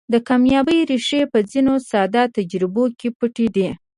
د کاميابۍ ريښې په ځينو ساده تجربو کې پټې دي.